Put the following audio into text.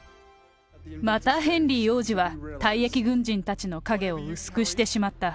またヘンリー王子は、退役軍人たちの影を薄くしてしまった。